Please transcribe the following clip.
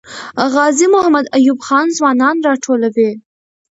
غازي محمد ایوب خان ځوانان راټولوي.